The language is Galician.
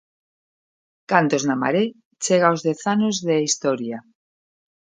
Cantos na Maré chega aos dez anos de historia.